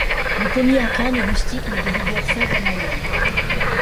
Le pommier 'Akane' est rustique mais de vigueur faible à moyenne.